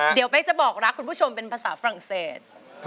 เดี๋ยวเป๊กจะบอกรักคุณผู้ชมเป็นภาษาฝรั่งเศส